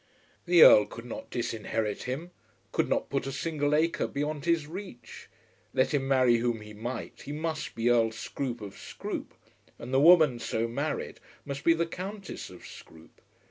The Earl could not disinherit him; could not put a single acre beyond his reach. Let him marry whom he might he must be Earl Scroope of Scroope, and the woman so married must be the Countess of Scroope.